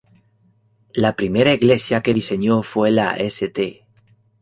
La primera iglesia que diseñó fue la St.